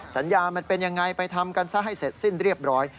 มันเป็นยังไงไปทำกันซะให้เสร็จสิ้นเรียบร้อย